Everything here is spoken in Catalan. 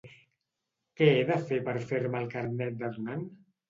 Què he de fer per fer-me el carnet de donant?